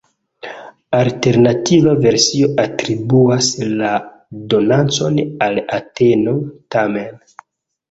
Alternativa versio atribuas la donacon al Ateno, tamen.